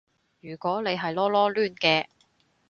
如果你係囉囉攣嘅